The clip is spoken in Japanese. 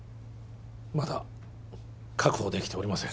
まだ確保できておりません